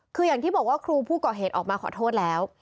คืออย่างที่บอกว่าครูผู้ก่อเหตุออกมาขอโทษแล้ว